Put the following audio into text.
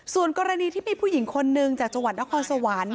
ส่วนกรณีที่มีผู้หญิงคนนึงจากจังหวัดนครสวรรค์